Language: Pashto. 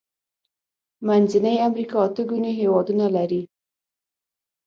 منځنۍ امريکا اته ګونې هيوادونه لري.